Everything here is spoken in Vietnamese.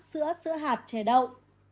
sữa sữa hạt trẻ đậu